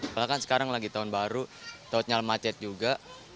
karena kan sekarang lagi tahun baru tolnya macet juga